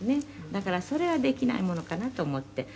「だからそれはできないものかなと思って」